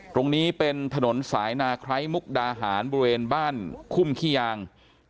ตรงนี้เป็นถนนสายนาไคร้มุกดาหารบริเวณบ้านคุ่มขี้ยาง